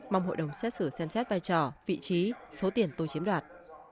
mong hội đồng xét xử xem xét vai trò vị trí số tiền tôi chiếm đoạt